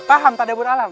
paham tadabur alam